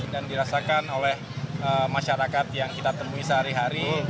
dan dirasakan oleh masyarakat yang kita temui sehari hari